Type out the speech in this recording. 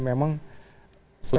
memang setelah dua tahun